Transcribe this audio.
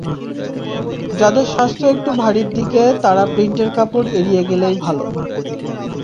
যাঁদের স্বাস্থ্য একটু ভারীর দিকে তাঁরা প্রিন্টের কাপড় এড়িয়ে গেলেই ভালো।